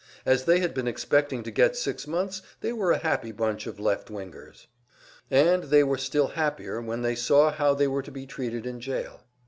As they had been expecting to get six months, they were a happy bunch of "left wingers." And they were still happier when they saw how they were to be treated in jail.